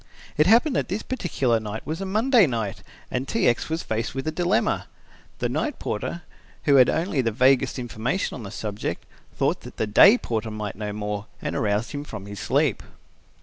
It happened that this particular night was a Monday night and T. X. was faced with a dilemma. The night porter, who had only the vaguest information on the subject, thought that the day porter might know more, and aroused him from his sleep.